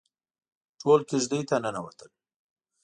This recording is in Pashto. ټول کېږدۍ ته ننوتل.